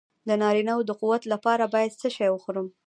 د نارینه وو د قوت لپاره باید څه شی وخورم؟